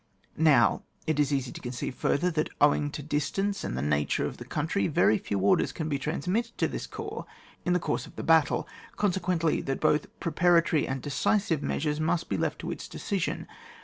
Now, it is easy to conceive further, that, owing to distance and the nature of the country, very few orders can be trans mitted to this corps in the course of the battle, consequently that both prepara tory and decisive measures must be left to its discretion.